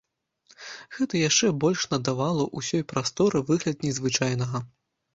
Гэта яшчэ больш надавала ўсёй прасторы выгляд незвычайнага.